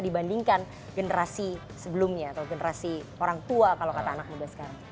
dibandingkan generasi sebelumnya atau generasi orang tua kalau kata anak muda sekarang